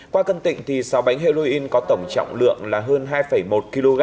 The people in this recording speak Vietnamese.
qua cân tịnh sáu bánh heroin có tổng trọng lượng là hơn hai một kg